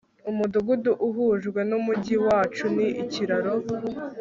umudugudu uhujwe numujyi wacu nikiraro